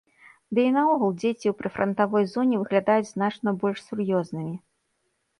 Ды і наогул дзеці ў прыфрантавой зоне выглядаюць значна больш сур'ёзнымі.